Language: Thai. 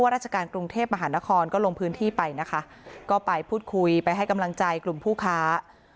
ราชการกรุงเทพมหานครก็ลงพื้นที่ไปนะคะก็ไปพูดคุยไปให้กำลังใจกลุ่มผู้ค้า